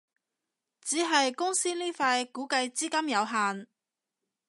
只係公司呢塊估計資金有限